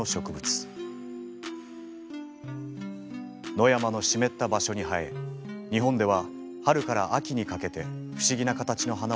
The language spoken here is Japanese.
野山の湿った場所に生え日本では春から秋にかけて不思議な形の花を咲かせます。